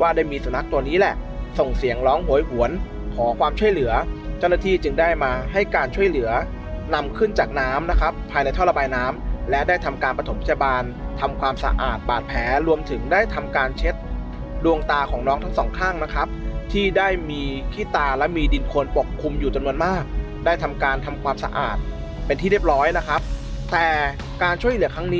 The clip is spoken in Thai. ว่าได้มีสุนัขตัวนี้แหละส่งเสียงร้องโหยหวนขอความช่วยเหลือเจ้าหน้าที่จึงได้มาให้การช่วยเหลือนำขึ้นจากน้ำนะครับภายในท่อระบายน้ำและได้ทำการประถมพยาบาลทำความสะอาดบาดแผลรวมถึงได้ทำการเช็ดดวงตาของน้องทั้งสองข้างนะครับที่ได้มีขี้ตาและมีดินโคนปกคลุมอยู่จำนวนมากได้ทำการทำความสะอาดเป็นที่เรียบร้อยนะครับแต่การช่วยเหลือครั้งนี้